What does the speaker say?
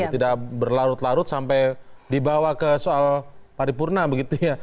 tidak berlarut larut sampai dibawa ke soal paripurna begitu ya